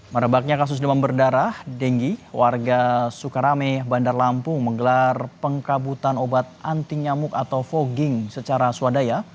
merebaknya kasus demam berdarah dengi warga sukarame bandar lampung menggelar pengkabutan obat anti nyamuk atau fogging secara swadaya